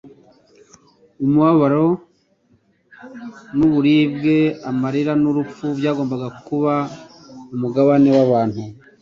umubabaro n'uburibwe, amarira n'urupfu byagombaga kuba umugabane w'abantu.